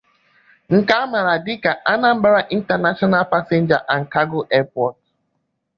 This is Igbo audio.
nke a maara dịka 'Anambra International Passenger and Cargo Airport